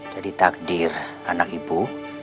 jadi takdir anak ibu